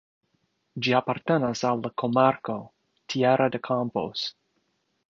Ĝi apartenas al la komarko "Tierra de Campos".